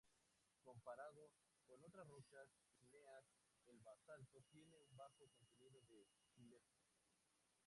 Comparado con otras rocas ígneas el basalto tiene un bajo contenido en sílice.